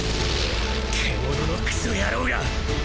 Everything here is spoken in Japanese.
獣のクソ野郎が！！